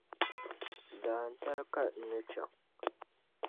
Dantali ka n ni chaŋ.